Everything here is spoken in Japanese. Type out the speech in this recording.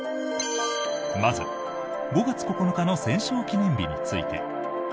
まず、５月９日の戦勝記念日について。